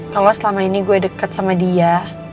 kalau selama ini gue deket sama dia